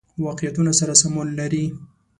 واقعیتونو سره سمون لري.